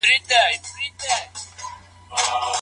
ما تاسي ته د پښتو یو نوی لغت واخیستی.